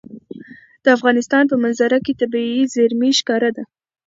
د افغانستان په منظره کې طبیعي زیرمې ښکاره ده.